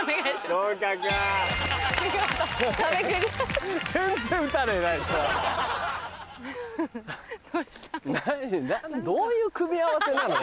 どういう組み合わせなの？